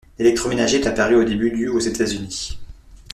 L'électroménager est apparu au début du aux États-Unis.